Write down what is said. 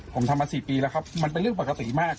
ผมทำมา๔ปีแล้วครับมันเป็นเรื่องปกติมาก